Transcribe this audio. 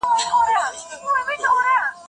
زه کولای سم سبزیجات وچوم!.